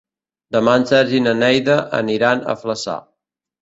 Demà en Sergi i na Neida aniran a Flaçà.